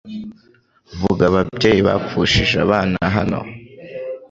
Vuga Ababyeyi Bapfushije abana hano